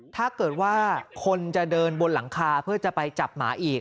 ถ้าเกิดว่าคนจะเดินบนหลังคาเพื่อจะไปจับหมาอีก